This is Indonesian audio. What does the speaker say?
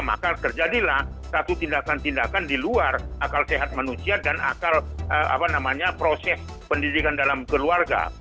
maka terjadilah satu tindakan tindakan di luar akal sehat manusia dan akal proses pendidikan dalam keluarga